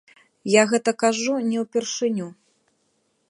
Я гэта кажу не ўпершыню.